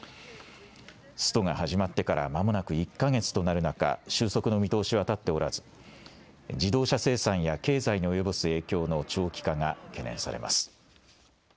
ストが始まってからまもなく１か月となる中終息の見通しは立っておらず自動車生産や経済へ及ぼす影響の長期化が懸念されます。